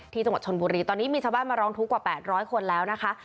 ที่จังหวัดชนบุรีตอนนี้มีชาวบ้านมาร้องทุกข์กว่า๘๐๐คนแล้วนะคะ